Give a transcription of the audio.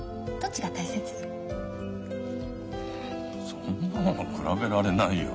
そんなもの比べられないよ。